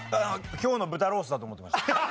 きょうのぶたロースだと思ってました。